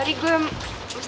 tidak ada yang bisa